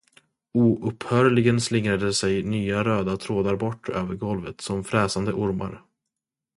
Oupphörligen slingrade sig nya röda trådar bort över golvet som fräsande ormar.